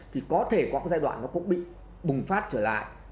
thì có thể có cái giai đoạn nó cũng bị bùng phát trở lại